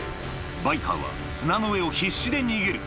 バイカーは砂の上を必死で逃げる